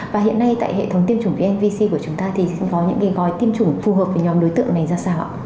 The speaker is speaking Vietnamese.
và hiện nay tại hệ thống tiêm chủng vnvc của chúng ta thì sẽ có những gói tiêm chủng phù hợp với nhóm đối tượng này ra sao ạ